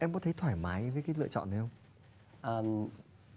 em có thấy thoải mái với cái lựa chọn đấy không